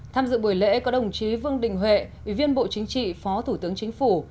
tham dự buổi lễ có đồng chí vương đình huệ ủy viên bộ chính trị phó thủ tướng chính phủ